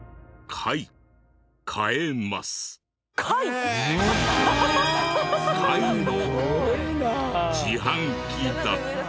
貝の自販機だった。